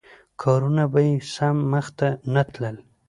کارونه به یې سم مخته نه تلل.